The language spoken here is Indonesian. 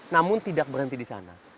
namun tidak berhenti di sana